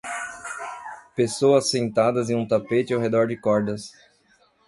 Pessoas sentadas em um tapete ao redor de cordas.